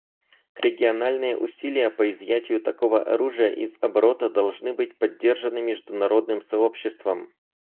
Региональные усилия по изъятию такого оружия из оборота должны быть поддержаны международным сообществом.